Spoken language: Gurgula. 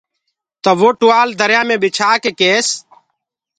تو وو ٽوآل دريآ مي ٻِڇآ ڪي ڪيس۔